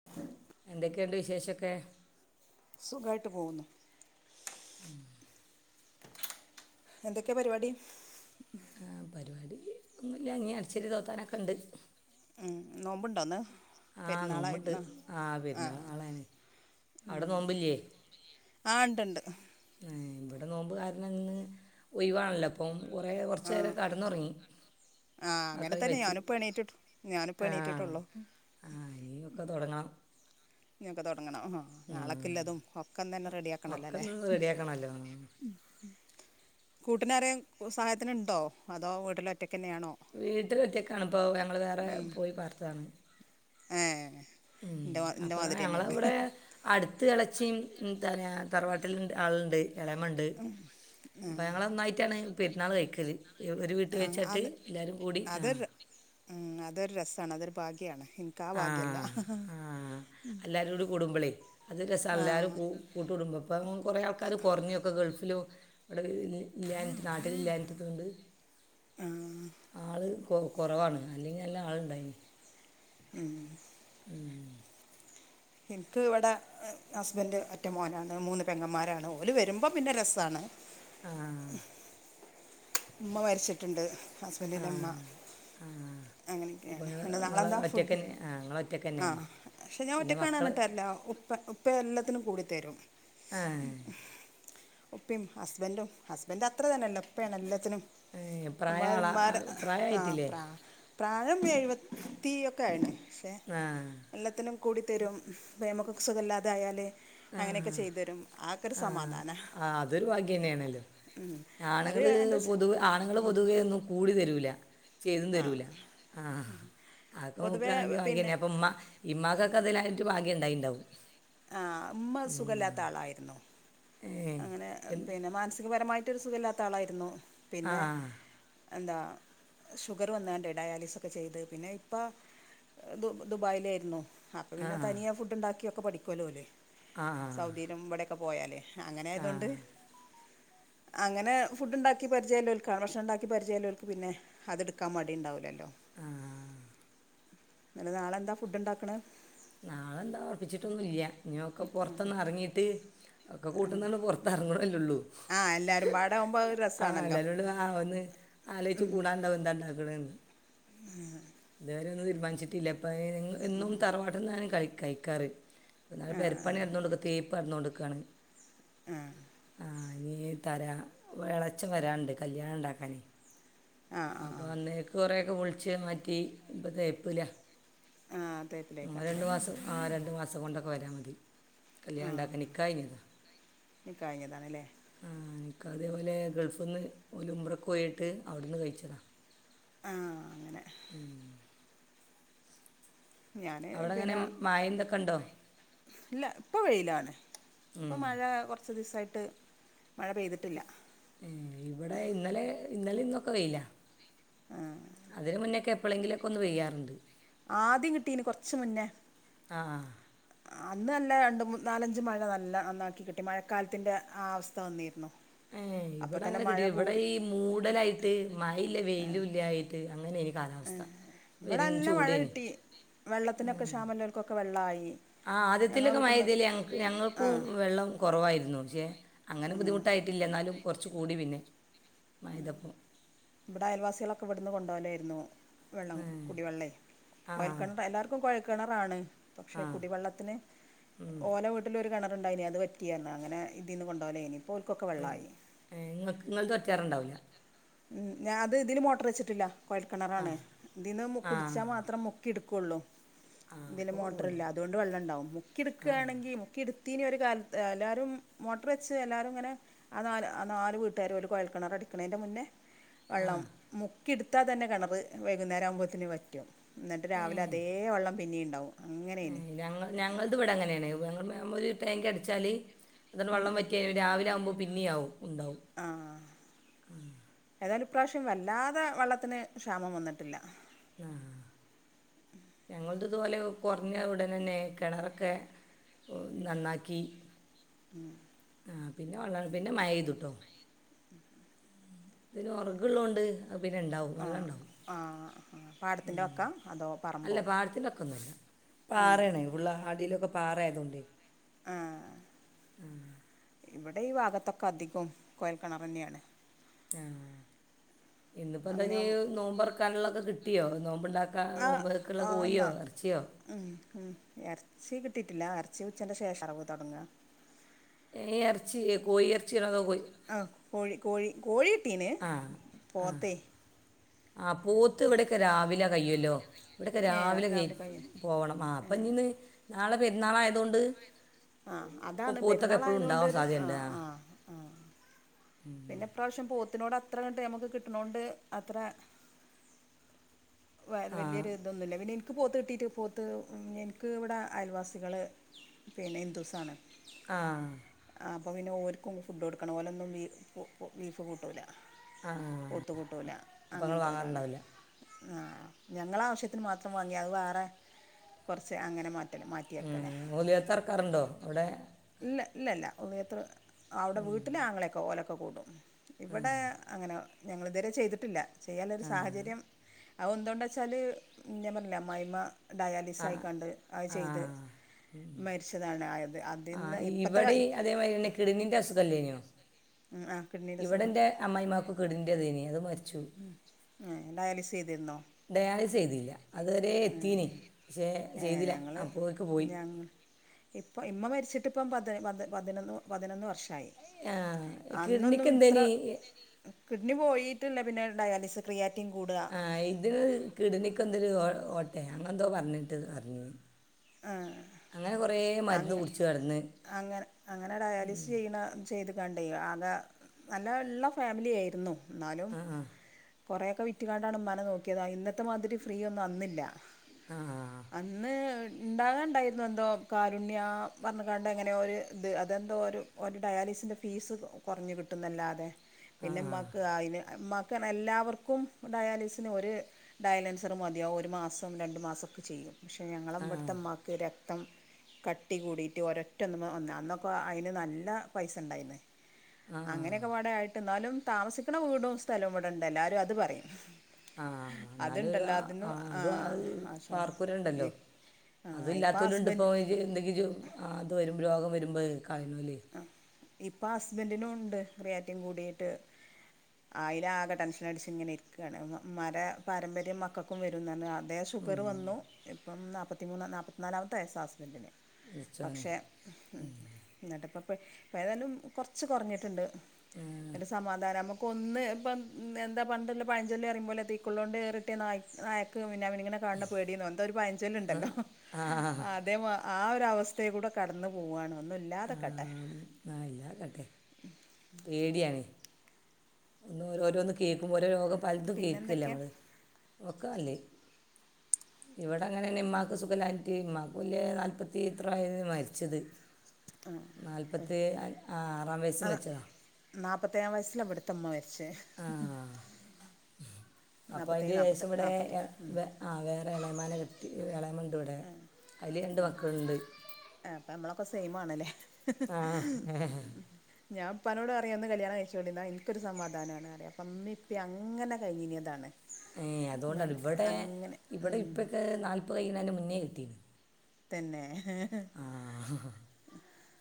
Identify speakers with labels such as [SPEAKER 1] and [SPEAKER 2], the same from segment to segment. [SPEAKER 1] [inaudible]
[SPEAKER 2] എന്തൊക്കെയുണ്ട് വിശേഷൊക്കെ?
[SPEAKER 1] സുഖായിട്ട് പോവുന്നു
[SPEAKER 2] [inaudible]
[SPEAKER 1] എന്തൊക്കെപരിപാടി
[SPEAKER 2] പരിപാടി ഒന്നുല്ല ഇഞ്ഞി അടിച്ചോരി തോത്താനൊക്കെ ഉണ്ട്
[SPEAKER 1] നോമ്പുണ്ടോ ഇന്ന്
[SPEAKER 2] ആഹ് നോമ്പിണ്ട്
[SPEAKER 1] പെരുന്നാളായിരുന്നോ
[SPEAKER 2] ആഹ്
[SPEAKER 1] ആ
[SPEAKER 2] പെരുന്നാള് നാളേണ് അവിടെ നോമ്പില്ലേ
[SPEAKER 1] ആഹ് ഇണ്ട് ഇണ്ട്
[SPEAKER 2] ഇവിടെ നോമ്പ് കാരണം ഇന്ന് ഒയിവാണല്ലോ അപ്പം കുറേ കൊർച്ചേരം കടന്നൊറങ്ങി
[SPEAKER 1] ആഹ് അങ്ങനെ തന്നെ ഞാനിപ്പോ എണീറ്റ്ട്ട് ഞാനിപ്പോ എണീറ്റിട്ടുള്ളൂ
[SPEAKER 2] ആഹ് ഇനിയും ഒക്കെ തുടങ്ങണം
[SPEAKER 1] നിങ്ങക്ക് തുടങ്ങണം
[SPEAKER 2] ഉം.
[SPEAKER 1] നാളക്കില്ലതും
[SPEAKER 2] ആ,
[SPEAKER 1] ഒക്കന്നന്നെ
[SPEAKER 2] ഒക്കെ
[SPEAKER 1] റെഡിയാക്കണല്ലല്ലേ
[SPEAKER 2] ഒന്ന് റെഡിയാക്കണമല്ലോ
[SPEAKER 1] കൂട്ടിനാരെ സഹായത്തിനുണ്ടോ അതോ വീട്ടിലൊറ്റയ്ക്കന്നെയാണോ?
[SPEAKER 2] വീട്ടിലെത്തിയക്കാണ് ഇപ്പോൾ ഞങ്ങള് വേറെ പോയി പുർത്തതാണ്
[SPEAKER 1] ഏഹ്
[SPEAKER 2] ഉം അപ്പൊ ഞങ്ങളവിടെ അടുത്ത് ഇളച്ചിയും എന്താറിയാ തറവാട്ടിലുണ്ട് ആളുണ്ട് ഇളയമ്മണ്ട് അപ്പ
[SPEAKER 1] ഉം.
[SPEAKER 2] ഞങ്ങളൊന്നായിറ്റാണ് പെരുന്നാള് കഴിക്കല്. ഒ ഒരു വീട്ട്
[SPEAKER 1] ആ,
[SPEAKER 2] വെച്ചിട്ട്
[SPEAKER 1] അത്
[SPEAKER 2] എല്ലാരും കൂടി ആഹ്
[SPEAKER 1] അതൊരു ഉം അതൊരു രസാണ് അതൊരു ഭാഗ്യാണ്. എനിക്ക് ആ ഭാഗ്യല്ല
[SPEAKER 2] എല്ലാരുരൂടി കൂടുമ്പളേ അത് രസ എല്ലാരും കൂ കൂട്ടുകടുംബപ്പം കുറേ ആൾക്കാര് കൊർഞ്ഞൊക്കെ ഗൾഫ്‌ ലു അവിടെ ഇ ഇല്ലാഞ്ഞിട്ട് നാട്ടിലില്ലാഞ്ഞിട്ട് ഇത്കൊണ്ട് ആള് കൊ കൊറവാണ് അല്ലെങ്കിൽ നല്ല ആളുണ്ടായിന്
[SPEAKER 1] ഉം
[SPEAKER 2] ഉം
[SPEAKER 1] എനിക്ക് ഇവിടെ ഹസ്ബൻഡ് ഒറ്റ മോനാണ് മൂന്ന് പെങ്ങന്മാരാണ് ഓല് വരുമ്പം പിന്നെ രസാണ്
[SPEAKER 2] ആ
[SPEAKER 1] ഉമ്മ മരിച്ചിട്ട്ണ്ട്
[SPEAKER 2] ആ
[SPEAKER 1] ഹസ്ബൻഡിൻ്റെ ഉമ്മ
[SPEAKER 2] ആ അപ്പം
[SPEAKER 1] അങ്ങനെയൊക്കെയാണ്.
[SPEAKER 2] നിങ്ങൾ
[SPEAKER 1] ഇണ്ട്
[SPEAKER 2] നിങ്ങൾ
[SPEAKER 1] താളെന്താ
[SPEAKER 2] ഒറ്റയ്ക്ക്
[SPEAKER 1] ഫുഡ്?
[SPEAKER 2] തന്നെ ആ നിങ്ങൾ ഒറ്റയ്ക്ക് തന്നെയാണ്
[SPEAKER 1] ആഹ് പക്ഷെ ഞാൻ
[SPEAKER 2] പിന്നെ
[SPEAKER 1] ഒറ്റക്കാണ്
[SPEAKER 2] മക്കൾ
[SPEAKER 1] അർഞ്ഞിട്ട് കാര് ല്ല ഉപ്പ ഉപ്പ എല്ലത്തിനും കൂടി തരും
[SPEAKER 2] ആ
[SPEAKER 1] ഉപ്പയും ഹസ്ബൻഡും ഹസ്ബന്റത്രതന്നെല്ല ഉപ്പയാണെല്ലത്തിനും
[SPEAKER 2] പ്രായമായ
[SPEAKER 1] അമ്മളെ ഉമ്മാരെ
[SPEAKER 2] ആളാണ്
[SPEAKER 1] ആഹ്
[SPEAKER 2] പ്രായമായിട്ടില്ലേ
[SPEAKER 1] പ്രാ പ്രായം എഴുപത്തി ഒക്കെ ആയിണ് പക്ഷേ
[SPEAKER 2] ആഹ്
[SPEAKER 1] എല്ലത്തിനും കൂടി തരും വേമക്കൊക്കെ സുഖല്ലാതായാല്
[SPEAKER 2] ആഹ് ആഹ് ആ അതൊരു ഭാഗ്യന്നെയാണല്ലോ
[SPEAKER 1] അത്
[SPEAKER 2] ആണുങ്ങള്
[SPEAKER 1] എന്താ വെച്ചാ-
[SPEAKER 2] പൊതുവെ ആണുങ്ങള് പൊതുവെ ഒന്നും കൂടി തരൂല ചെയ്തും
[SPEAKER 1] ആ
[SPEAKER 2] തരൂല. ആഹ് ആക്കെ
[SPEAKER 1] പൊതുവേ പിന്നെ
[SPEAKER 2] നോക്കണെങ്കിഭാഗ്യന്നെ അപ്പം ഉമ്മ ഇമ്മാക്കൊക്കെ അതിലായിട്ട് ഭാഗ്യം ഇണ്ടായിണ്ടാവും
[SPEAKER 1] ആ ഉമ്മ സുഖല്ലാത്ത ആളായിരുന്നു
[SPEAKER 2] ഏ
[SPEAKER 1] അങ്ങനെ
[SPEAKER 2] എൻ
[SPEAKER 1] പിന്നെ മാനസികപരമായിട്ടൊരു സുഖല്ലാത്ത ഒരാളായിരുന്നു
[SPEAKER 2] ആ
[SPEAKER 1] പിന്നെ എന്താ ഷുഗറ് വന്നാണ്ട് ഡയാലിസൊക്കെ ചെയ്ത് പിന്നെ ഇപ്പ ദു ദുബായിലായിരുന്നു ആ അപ്പം പിന്നെ തനിയേ ഫുഡ്ണ്ടാക്കിയൊക്കെ പഠിക്കോല്ലോ ഓല്.
[SPEAKER 2] ആഹ്
[SPEAKER 1] സൗദിയിലും ഇവിടെയൊക്കെപോയാല് അങ്ങനായതോണ്ട്
[SPEAKER 2] ആഹ്
[SPEAKER 1] അങ്ങനെ ഫുഡ്ണ്ടാക്കി പരിചയള്ളോൽക്ക് ആ ഭക്ഷണണ്ടാക്കി പരിചയള്ളോൽക്ക് പിന്നെ അതെടുക്കാ മടിണ്ടാവില്ലല്ലോ
[SPEAKER 2] ആഹ്
[SPEAKER 1] ഇങ്ങള് നാളെന്താ ഫുഡ്ണ്ടാക്കണ്
[SPEAKER 2] നാളെന്താ ഉറപ്പിച്ചിട്ടൊന്നുല്ല്യ ഇനി ഒക്ക പൊറത്തൊന്നെറങ്ങിയിട്ട് ഒക്കെ കൂട്ടുന്നണ്ട്പൊർ ത്തെർങ്ങ്ണല്ലേ ഉള്ളൂ
[SPEAKER 1] ആ എല്ലാവരും പാടെ ആകുമ്പോൾ ഒരു
[SPEAKER 2] ആഹ്
[SPEAKER 1] രസമാണല്ലോ
[SPEAKER 2] എല്ലാരും കൂടെ നാ വന്ന് ആലോയിച്ചു കൂടാണ്ടാവും എന്താ ഇണ്ടാക്കണേന്ന്
[SPEAKER 1] ഉം..
[SPEAKER 2] ഇതുവരെഒന്നും തീരുമാനിച്ചിട്ടില്ല. പ്പ ഏ എന്നും തറവാട്ട്ന്നാണ് കയ് കയിക്കാറ് ഒന്നാമത്
[SPEAKER 1] ആ
[SPEAKER 2] പെരപ്പണി നടന്നോണ്ട്ക്ക തേപ്പ്‌ നട്ന്നോണ്ട്ക്കാണ്. ആഹ് ഞ്ഞ്.. തരാ. വ് എളച്ചൻ വരാണ്ട് കല്ല്യാണണ്ടാക്കാനേയ്
[SPEAKER 1] ആഹ് ആഹ്
[SPEAKER 2] വന്നേക് കൊറേഒക്കെ പൊൾച്ച് മാറ്റി ഇപ്പ തേപ്പ്‌ല
[SPEAKER 1] ആ
[SPEAKER 2] ഉം രണ്ടു
[SPEAKER 1] തേപ്പിലേക്കാറല്ലേ
[SPEAKER 2] മാസം ആ രണ്ടു മാസം കൊണ്ടക് ക്കവരാം മതി,
[SPEAKER 1] ആ
[SPEAKER 2] കല്യാണണ്ടാക്കാൻ നിക്കാഹയ്ഞ്ഞതാ
[SPEAKER 1] ഇനി കഴിഞ്ഞതാണല്ലേ
[SPEAKER 2] ആഹ് നിക്കാഹ്‌ തേപോലെ ഗൾഫ്ന്ന് ഓലുമ്റക്കോയിട്ട് അവ്ടുന്ന് കയ്ച്ചതാ
[SPEAKER 1] ആഹ്
[SPEAKER 2] ഉം
[SPEAKER 1] ഞാന്
[SPEAKER 2] അവിടെ എങ്ങനെ
[SPEAKER 1] പിന്ന..
[SPEAKER 2] മഴ എന്തൊക്കെ ഉണ്ടോ
[SPEAKER 1] ഇല്ല ഇപ്പൊ വെയിലാണ്, പ്പൊ
[SPEAKER 2] ഉം.
[SPEAKER 1] മഴ കൊർച് ദിവസായിട്ട് മഴ പെയ്ത്ട്ട്ല്ല
[SPEAKER 2] ഏഹ് ഇവടെ ഇന്നലേ ഇന്നലിന്നൊക്കെ വെയില
[SPEAKER 1] ആ.
[SPEAKER 2] അതിന് മുന്നൊക്കെ എപ്പെളേങ്കിലക്കൊന്ന് പെയ്യാറുണ്ട്
[SPEAKER 1] ആദ്യം കിട്ടീന് കൊർച്ച് മുന്നേ
[SPEAKER 2] ആഹ്
[SPEAKER 1] അന്ന് നല്ല രണ്ട് മൂ നാലഞ്ച് മഴ നല്ല നന്നാക്കി കിട്ടി. മഴക്കാലത്തിന്റെ ആ അവസ്ഥ വന്നീര്ന്നു
[SPEAKER 2] ഏഹ് ഇവടങ്ങനെ കിട്ടിടി. വടെ ഈ മൂടലായിട്ട് മയില്ല വെയിലുല്യായി ട്ട് അങ്ങനേനി കാലം
[SPEAKER 1] ഏഹ് വടല്ല മഴ കിട്ടി. വെള്ളത്തിനൊക്കെ ക്ഷാമല്ലോൽക്കൊക്കെ വെള്ളായി
[SPEAKER 2] ആഹ് ആദ്യത്തിലൊക്കെ മയയ്തേല് ഞങ്
[SPEAKER 1] ആ
[SPEAKER 2] ഞങ്ങക്കും വെള്ളം കൊറവായിരുന്നു പക്ഷേ, അങ്ങനെ
[SPEAKER 1] ഉം.
[SPEAKER 2] ബുദ്ധിമുട്ടായിട്ടില്യ, ന്നാലും കൊർച്ച് കൂടി പിന്നെ മയെയ്തപ്പം
[SPEAKER 1] ബടയൽവാസികളൊക്കെ വട്ന്ന് കൊണ്ടോവലായിരുന്നു വെള്ളം.
[SPEAKER 2] ഏ,
[SPEAKER 1] കുടിവെള്ളേ
[SPEAKER 2] ആ
[SPEAKER 1] കൊഴക്കെണറ എല്ലാർ ക്കും കൊഴൽ കെണറാണ്.
[SPEAKER 2] ആ
[SPEAKER 1] പക്ഷെ കുടിവെള്ളത്തിന്
[SPEAKER 2] ഉം.
[SPEAKER 1] ഓല വ് ട്ടിലൊരു കെണറ്ണ്ടായിനി, അത് വറ്റിഅർഞ്, അങ്ങനെ ഇതീന്ന് കോണ്ടോവലേനി, പ്പോൽക്കൊക്കെ വെള്ളായി
[SPEAKER 2] ഏഹ് ങ്ങക് ങ്ങൾത് വറ്റാറുണ്ടാവുല
[SPEAKER 1] ഉം ഞാത് തില് മോട്ട്രെച്ചിട്ടില്ല,
[SPEAKER 2] ആ
[SPEAKER 1] കൊഴൽക്കെണറാണ്. തിന്ന് മുക്
[SPEAKER 2] ആ
[SPEAKER 1] കുട്ച്ചാ മാത്രം മുക് ക്കിട്ക്കൊള്ളു,
[SPEAKER 2] ആ
[SPEAKER 1] തില്
[SPEAKER 2] അപ്പോൾ
[SPEAKER 1] മോട്ടർല്ല,
[SPEAKER 2] കുറവുണ്ടാവും
[SPEAKER 1] അതോ ണ്ട് വെള്ളണ്ടാവും
[SPEAKER 2] ആ
[SPEAKER 1] മുക്കിട്ക്കാണെങ്കി മുക്കിട് ത്തീനി ഒരു കാൽത്, എല്ലാരും മോട്ടർവെച്ച് എല്ലാരുങ്ങനെ ആ നാല് ആ നാല് വീട്ട്കാരും ഓല് കൊഴൽക്കെണറടിക്ക്ണേന്റെ മുന്നെ
[SPEAKER 2] ആ
[SPEAKER 1] വെള്ളം മുക്കിട്ത്താതന്നെ കെണറ് വൈകുന്നേരാവുമ്പോത്തിന് വറ്റും ന്നട്ട് രാവിലെ അതേ വള്ളം പിന്നീണ്ടാവും
[SPEAKER 2] ഏഹ് ഞങ്ങ ഞങ്ങൾത് വടങ്ങനേണ്, ഞങ്ങ ഞമ്മ ഒരു ടാങ്കട്ച്ചാല് അതണ്ട് വള്ളം വറ്റിയാൽ രാവിലാവുമ്പ പിന്നി ആവും, ഉണ്ടാവും
[SPEAKER 1] ആഹ് ഏതായാലും ഇപ്രാവശ്യം വല്ലാതെ വെള്ളത്തിന് ക്ഷാമം വന്നിട്ടില്ല
[SPEAKER 2] ഞങ്ങൾത്പോലെ കൊർഞ്ഞ ഉടനെന്നെ കെണറൊക്കെ ഉ ന്നന്നാക്കി
[SPEAKER 1] ഉം
[SPEAKER 2] ആഹ് പിന്നെ വെള്ള പിന്നെ മഴയ്തുട്ടോ ഇത് പിന്നെ ഒറക്ള്ളോണ്ട് അഹ് പിന്നെണ്ടാവും വള്ളണ്ടാവും
[SPEAKER 1] ആഹ്
[SPEAKER 2] അല്ല പാടത്തിന്റക്കൊന്നു അല്ല.
[SPEAKER 1] ആഹ്
[SPEAKER 2] പാറേണഹ് ഫുള്ള അടീലൊക്കൊ പാറായായതോണ്ടെ
[SPEAKER 1] ആഹ് ഇവിടെ ഈ ഭാഗത്തൊക്കെ അധികവും കോയൽക്കിണർ തന്നെയാണ്
[SPEAKER 2] ആഹ് ഇന്നിപ്പോൾ എന്താ
[SPEAKER 1] അങ്ങനെ
[SPEAKER 2] നോമ്പുറക്കാനുള്ളതൊക്കെ കിട്ടിയോ നോമ്പുണ്ടാക്ക
[SPEAKER 1] ആഹ്
[SPEAKER 2] നോമ്പുറക്കുള്ള
[SPEAKER 1] ആഹ്
[SPEAKER 2] കോഴിയോ
[SPEAKER 1] എന്നാ
[SPEAKER 2] ഇറച്ചിയോ
[SPEAKER 1] ഉം ഉം ഇറച്ചി കിട്ടിയിട്ടില്ല ഇറച്ചി ഉച്ചേന്റെ ശേഷം അറവ് തുടങ്ങുക
[SPEAKER 2] ഈ ഇറച്ചി കോഴി ഇറച്ചിണതോ കോയി
[SPEAKER 1] ആഹ് കോഴി കോഴി കോഴിട്ടീന് പോത്തേ
[SPEAKER 2] ആഹ് പോത്ത് ഇവിടൊക്കെ രാവിലെ കയ്യൂല്ലോ ഇവിടെയൊക്കെ
[SPEAKER 1] ഏഹ് അത്
[SPEAKER 2] രാവിലെ
[SPEAKER 1] കഴിയും
[SPEAKER 2] പോകണം ആഹ് അപ്പം ഇനീന്ന് നാളെ പെരുന്നാളായതുകൊണ്ട്
[SPEAKER 1] ആഹ്
[SPEAKER 2] ഇപ്പൊ
[SPEAKER 1] അതാണ്
[SPEAKER 2] പോത്തൊക്കെ എപ്പഴും
[SPEAKER 1] പെരുന്നാളായതുകൊണ്ട്
[SPEAKER 2] ഉണ്ടാകാൻ
[SPEAKER 1] ഒരു
[SPEAKER 2] സാധ്യത ഉണ്ട്
[SPEAKER 1] ആഹ് ആഹ് ആഹ് പിന്നെ ഇപ്രാവശ്യം പോത്തിനോട് അത്ര കണ്ട് നമുക്ക് കിട്ടണോണ്ട് അത്ര വ
[SPEAKER 2] ആ
[SPEAKER 1] വലിയൊരു ഇത് ഇതൊന്നുമില്ല പിന്നെ എനിക്ക് പോത്ത് കിട്ടിയിട്ട് പോത്ത് എനിക്ക് ഇവിടെ അയൽവാസികള് പിന്നെ ഹിന്ദൂസാണ്
[SPEAKER 2] ആഹ്
[SPEAKER 1] ആഹ് അപ്പൊ പിന്നെ ഓർക്കും ഫുഡ്ഡ് കൊടുക്കണം ഓലെൊന്നും ബീഫ് കൂട്ടൂല പോത്തുകൂട്ടൂല
[SPEAKER 2] അപ്പം നിങ്ങൾ
[SPEAKER 1] അങ്ങനത്തെ ഓലാണ്
[SPEAKER 2] വാങ്ങാറുണ്ടാവില്ല
[SPEAKER 1] ആഹ് ഞങ്ങളാവശ്യത്തിന് മാത്രം വാങ്ങി അത് വേറെ കുറച്ച് അങ്ങനെ മാറ്റ
[SPEAKER 2] ആഹ് ഓലിയത്തറക്കാറുണ്ടോ അവിടെ
[SPEAKER 1] ഇല്ല ഇല്ല ഇല്ല ഒന്നിയത്ര അവിടെ വീട്ടില് ആങ്ങളെൊക്കെ ഓലൊക്കെ കൂട്ടും ഇവിടെ അങ്ങനെ ഞങ്ങള് ഇതുവരെ ചെയ്തിട്ടില്ല ചെയ്യാനൊരു സാഹചര്യം അത് എന്തുകൊണ്ടാ വെച്ചാല് ഞാൻ പറഞ്ഞില്ലേ അമ്മായിയമ്മ ഡയാലിസ്
[SPEAKER 2] ആ
[SPEAKER 1] ആയിക്കാണ്ട് അത്
[SPEAKER 2] ആ
[SPEAKER 1] ചെയ്ത് മരിച്ചതാണ് ആയത് അത്
[SPEAKER 2] ആഹ് ഇവിടെ ഈ അതേമാതിരി തന്നെ കിടിനിന്റെ അസുഖല്ലേനോ
[SPEAKER 1] ആ കിഡ്നിയുടെ സുഖം
[SPEAKER 2] ഇവിടെന്റെ അമ്മായിയമ്മക്ക് കിടിൻ്റേതീനി അത് മരി
[SPEAKER 1] ഉം ഡയാലിസ് ചെയ്തിരുന്നോ
[SPEAKER 2] ഡയാലിസ് ചെയ്തില്ല അതുവരെ എത്തീനി പക്ഷേ ചെയ്തില്ല അപ്പേക്ക് പോയി
[SPEAKER 1] ഇപ്പം ഇമ്മ മരിച്ചിട്ടിപ്പം പതി പ പതിനൊന്ന് പതിനൊന്ന് വർഷമായി
[SPEAKER 2] ആഹ്
[SPEAKER 1] അന്നൊന്നും
[SPEAKER 2] കിഡ്നിക്ക്
[SPEAKER 1] ഇത്ര
[SPEAKER 2] എന്തേനി
[SPEAKER 1] കിഡ്നി പോയീട്ടില്ല പിന്നെ ഡയാലിസി ക്രിയാറ്റിങ് കൂടുക
[SPEAKER 2] ആഹ് ഇത് കിട്നിക്ക് എന്തൊരു ഓട്ടയോ അങ്ങെന്തോ പറഞ്ഞിട്ട് പറഞ്ഞീനി
[SPEAKER 1] ആഹ് അങ്ങ
[SPEAKER 2] കുടിച്ച് കിടന്ന്
[SPEAKER 1] അങ്ങനെ അങ്ങനെ ഡയാലിസ് ചെയ്യണ ചെയ്ത്കാണ്ടെ ആകെ നല്ലോ ഉള്ള ഫാമിലി ആയിരുന്നു എന്നാലും
[SPEAKER 2] ആഹ്
[SPEAKER 1] കൊറെയൊക്കെ വിറ്റുകാണ്ടാണ് ഉമ്മേനെ നോക്കിയതാ ഇന്നത്തെമാതിരി ഫ്രീ ഒന്നും അന്നില്ല
[SPEAKER 2] ആഹ്
[SPEAKER 1] അന്ന് ഇണ്ടാകാണ്ടായിരുന്നു എന്തോ കാരുണ്യ പറഞ്ഞ് കാണ്ട് അങ്ങനെ ഒരു ഇത് അതെന്തോ ഒരു ഒരു ഡയാലിസിൻ്റെ ഫീസ് കുറഞ്ഞ് കിട്ടൂന്നല്ലാതെ പിന്നെ
[SPEAKER 2] ആഹ്
[SPEAKER 1] ഇമ്മാക്ക് അതിന് ഇമ്മാക്ക് എല്ലാവർക്കും ഡയാലിസിന് ഒരു ഡയലൻസറ് മതിയാവും ഒരു മാസം രണ്ടു മാസമൊക്കെ ചെയ്യും പക്ഷെ ഞങ്ങളെ ഇവിടുത്തെ
[SPEAKER 2] ആഹ്
[SPEAKER 1] ഇമ്മാക്ക് രക്തം കട്ടി കൂടിയിട്ട് ഒരൊറ്റ ഒന്ന് വന്ന അന്നൊക്കെ അതിന് നല്ല പൈസ ഉണ്ടായിരുന്നു
[SPEAKER 2] ആഹ്
[SPEAKER 1] അങ്ങനെയൊക്കെ പാടെ ആയിട്ട് എന്നാലും താമസിക്കണ വീടും സ്ഥലവും ഇവിടൊണ്ട് എല്ലാരും അത് പറയും
[SPEAKER 2] ആഹ് എന്നാലും ഒരു
[SPEAKER 1] അതുണ്ടല്ലോ അതിന്
[SPEAKER 2] ആഹ്
[SPEAKER 1] ആ
[SPEAKER 2] അത്
[SPEAKER 1] ആ
[SPEAKER 2] പാർക്കൂരെ ഉണ്ടല്ലോ അത്
[SPEAKER 1] ഇപ്പം
[SPEAKER 2] ഇല്ലാത്തോലും ഉണ്ട് ഇപ്പോ
[SPEAKER 1] ഹസ്ബൻഡ്
[SPEAKER 2] എന്തെങ്കിലും അത് വരുമ്പൊ രോഗം വരുമ്പോ കളയുന്നോലെ
[SPEAKER 1] ആഹ് ഇപ്പോം ഹസ്ബൻഡിനും ഉണ്ട് റിയാറ്റിങ് കൂടീട്ട് അയ്നാകെ ടെൻഷൻ അടിച്ച് ഇങ്ങനെ ഇരിക്കാണ് ഇമ്മാന്റെ പാരമ്പര്യം മക്കൾക്കും വരുന്നറഞ്ഞ് അതേ ഷുഗറ് വന്നു ഇപ്പം നാൽത്തി മൂന്ന് നാപ്പത്തി നാലാമത്തെ വയസ്സാ ഹസ്ബൻ്റിന്
[SPEAKER 2] പടച്ചോനെ
[SPEAKER 1] പക്ഷെ എന്നിട്ട് ഇപ്പോ ഇപ്പ ഏതായാലും കുറച്ച് കുറഞ്ഞിട്ടുണ്ട്
[SPEAKER 2] ആഹ്
[SPEAKER 1] ഇന്നിട്ട് സമാധാനം നമു കൊന്ന് ഇപ്പം എന്താ പണ്ടൊല്ല പഴഞ്ചൊല്ലറുയുംമ്പോലെ തീക്കുള്ള കൊണ്ട് കേറിട്ട് ന നായക്ക് പിന്നെ മിന്നാമിനി ങ്ങാണ്ട് പേടിന്ന് എന്തോരു പയഞ്ചേല് ഉണ്ടല്ലോ
[SPEAKER 2] ആഹ് ആഹ്
[SPEAKER 1] അതേ മാ ആ ഒരു അവസ്ഥേ കൂടെ കടന്നു പോവാണ് ഒന്നും ഇല്ലാതിക്കട്ടെ
[SPEAKER 2] ആഹ് ഇല്ലാകാട്ടെ പേടിയാണ് ഒന്ന് ഓരോരോന്ന് കേൾക്കുമ്പോ ഓരോ രോഗം പലതും കേൾക്കല്ലേ
[SPEAKER 1] പിന്നെന്തൊക്കെയാ
[SPEAKER 2] നമ്മള് ഒക്കെ നല്ലെ ഇവിടെ അങ്ങനെന്നെ ഇമ്മാക്ക് സുഖല്ലായിട്ട് ഉമ്മാക്ക് വല്ല്യ നാല്പ്പത്തി എത്ര ആയിരുന്നു മരിച്ചത് നാല്പ്പത്തി ആ ആറാം വയസ്സി മരിച്ചതാ
[SPEAKER 1] നാൽപത്തേഴാം വയസ്സിലാ ഇവിടുത്തെ ഇമ്മ മരിച്ചെ
[SPEAKER 2] ആ അപ്പോൾ
[SPEAKER 1] നാപത്തി ഏഴ്
[SPEAKER 2] അതിൻ്റെ
[SPEAKER 1] നാപത്തി
[SPEAKER 2] ശേഷം
[SPEAKER 1] എട്ട്
[SPEAKER 2] ഇവിടെ
[SPEAKER 1] നാപത്തി
[SPEAKER 2] എ-
[SPEAKER 1] ഒമ്പത്
[SPEAKER 2] വേ- ആ വേറെ ഇളയമ്മാനെ കെട്ടി ഇളയമ്മ ഇണ്ട് ഇവിടെ അതിലാ രണ്ട് മക്കള്ണ്ട്
[SPEAKER 1] ആഹ് അപ്പ നമ്മളൊക്കെ സെയിം ആണല്ലേ
[SPEAKER 2] ആ
[SPEAKER 1] ഞാൻ ഇപ്പാനോട് പറയും ഒന്ന് കല്യാണം കഴിച്ചുകൊണ്ടിന്നാ എനിക്കൊരു സമാധാനാണ് അറിയും ഇമ്മിം ഇപ്പിം അങ്ങനെ കഴിഞ്ഞതാണ്
[SPEAKER 2] ഏയ് അതുകൊണ്ടാണ് ഇവിടെ ഇവിടെ
[SPEAKER 1] ഉം
[SPEAKER 2] ഇപ്പക്കെ നാൽപ്പത് കയിണ മുന്നേ കെട്ടീനി
[SPEAKER 1] തന്നെ
[SPEAKER 2] ആ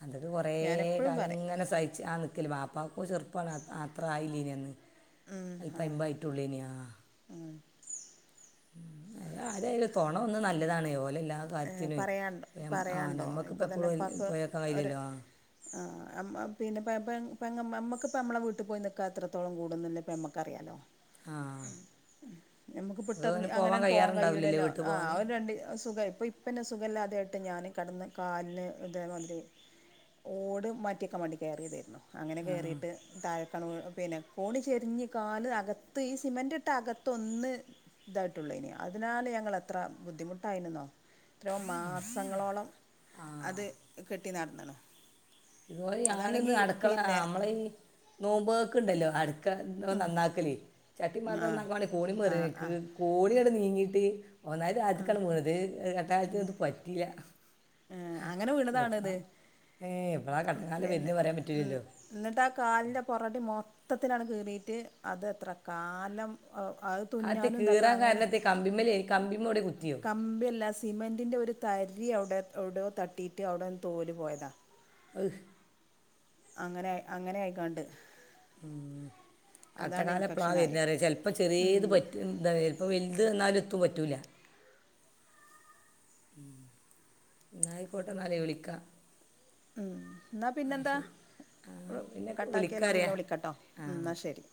[SPEAKER 2] അന്നട്ട് കുറെ
[SPEAKER 1] ഞാനെപ്പോഴും
[SPEAKER 2] കാലം
[SPEAKER 1] പറയും
[SPEAKER 2] ഇങ്ങനെ സഹിച്ചാണ് നിൽക്കല് വാ കാക്കും ചെറുപ്പാണ് അത്ര ആയില്ലിനി അന്ന്
[SPEAKER 1] ഉം ആ
[SPEAKER 2] ഇപ്പം അയ്മ്പതായിട്ടുള്ളേനി ആഹ് ആ ആരായാലും തുണ ഒന്നും നല്ലതാണ് ഓല് എ
[SPEAKER 1] പറയാണ്ടോ
[SPEAKER 2] കാര്യത്തിനുവേ ആ
[SPEAKER 1] പറയാണ്ടോ ഇപ്പം
[SPEAKER 2] നമ്മുക്കിപ്പോം
[SPEAKER 1] തന്നെ
[SPEAKER 2] എപ്പളും
[SPEAKER 1] ഉപ്പാക്ക് ഒരു
[SPEAKER 2] പോയാക്കയില്ലല്ലോ ആഹ്
[SPEAKER 1] ആ പിന്നെ പെങ്ങ അമ്മക്കിപ്പ അമ്മളെ വീട്ടിൽ പോയി നിക്കെ അത്രത്തോളം കൂടുന്നുല്ലെമ്മ ക്കറിയാലോ
[SPEAKER 2] ആ
[SPEAKER 1] നമുക്ക് വിട്ടറിഞ്ഞ് അങ്ങനെ പോവാൻ കയുലല്ലോ ആ അവ രണ്ട് സുഖായി പിന്നെ ഇപ്പന്നെ സുഖല്ലാതെ ആയിട്ട് ഞാന് കെടന്ന് കാലിന് ഇതേ മാതിരി ഓട് മാറ്റി വെക്കാൻ വേണ്ടി കേറിയതാരുന്നു അങ്ങനെ
[SPEAKER 2] ആ
[SPEAKER 1] കേറീട്ട് താഴെ പിന്നെ കോണി ചെരിഞ്ഞ കാല് അകത്ത് ഈ സിമെന്റ് ഇട്ട അകത്തൊന്ന് ഇതായിട്ടുള്ളൂ അതിനാല് ഞങ്ങള് എത്ര ബുദ്ധിമുട്ടായിനെന്നോ എത്രയോ മാസങ്ങളോളം അത്
[SPEAKER 2] ആ
[SPEAKER 1] കെട്ടി നടന്നണം
[SPEAKER 2] ഇതുപോലെ ഞാനൊന്ന് അടുക്കള നമ്മളെ നോമ്പൊക്ക ഉണ്ടല്ലോ അടു നന്നാക്കലേ ചട്ടി
[SPEAKER 1] ആ
[SPEAKER 2] പാത്രം നന്നാക്കൽ കോണിമെ
[SPEAKER 1] ആ ആ
[SPEAKER 2] കേറിക്ക് കോണിയോടെ നീങ്ങിട്ട് ഒന്നായിട്ട് താഴത്തേക്കാണ് വീണത് തൽക്കാലത്തിന് ഒന്നും പറ്റിയില്ല
[SPEAKER 1] അങ്ങനെ
[SPEAKER 2] എപ്പോള
[SPEAKER 1] വീണതാണിത്
[SPEAKER 2] ഏഹ് എപ്പള കട്ടക്കാലം
[SPEAKER 1] പിന്നെ
[SPEAKER 2] വരുന്ന പറയാൻ
[SPEAKER 1] ഉം
[SPEAKER 2] പറ്റൂലല്ലോ
[SPEAKER 1] എന്നിട്ട് ആ കാലിൻ്റെ പൊറടി മൊത്തത്തിലാണ് കീറിയിട്ട് അത് എത്ര കാലം ഓ അത് തുന്നാനും എന്താക്ക അങ്ങനെ
[SPEAKER 2] കമ്പിമ്മേ കമ്പിമ്മോടെ കുത്തിയോ
[SPEAKER 1] കമ്പിയല്ല സിമൻ്റിൻ്റെ ഒരു തരി അവിടെ അവിടെയൊ തട്ടിട്ട് അവിടെന്ന് തോല് പോയതാ
[SPEAKER 2] ആഹ്
[SPEAKER 1] അങ്ങനെ അങ്ങനെ ആയിക്കാണ്ട്
[SPEAKER 2] ഉം
[SPEAKER 1] അതാണ്
[SPEAKER 2] കട്ടകാലം എപ്ലാ വെർണ്
[SPEAKER 1] ഇൻഫെക്ഷനായി
[SPEAKER 2] അറി ചെൽപ്പോ ചെറ്യേത് പറ്റും എന്താ പ്പോ വെൽത് വന്നാലും എത്തും പറ്റില്ല ഉം എന്നായിക്കോട്ടെ എന്നാലെ വിളിക്കാം
[SPEAKER 1] എന്നാൽ
[SPEAKER 2] ആഹ്
[SPEAKER 1] പിന്നെന്താ
[SPEAKER 2] ശരി ആഹ് പിന്നെ
[SPEAKER 1] കട്ടാക്കിയാലോ
[SPEAKER 2] വിളിക്കാറിയാ
[SPEAKER 1] പിന്നെ വിളിക്കട്ടോ
[SPEAKER 2] ആഹ്
[SPEAKER 1] എന്നാൽ
[SPEAKER 2] ഓക്കെ
[SPEAKER 1] ശരി